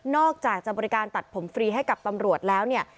อกจากจะบริการตัดผมฟรีให้กับตำรวจแล้วเนี่ย